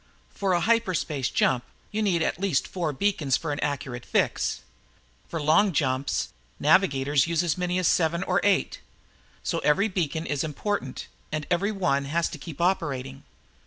For a hyperspace jump, you need at least four beacons for an accurate fix. For long jumps, navigators use as many as seven or eight. So every beacon is important and every one has to keep operating.